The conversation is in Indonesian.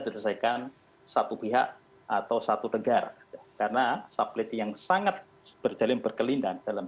diselesaikan satu pihak atau satu negara karena sublity yang sangat berjalin berkelindahan dalam